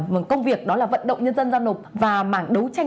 một mảng công việc đó là vận động nhân dân giao nộp và mảng đấu tranh